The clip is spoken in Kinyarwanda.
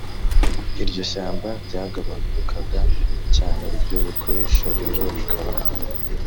iryo shyamba ryagabanukaga cyane Ibyo bikoresho rero bikaba